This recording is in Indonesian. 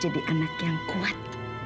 kamu jadi anak yang kuat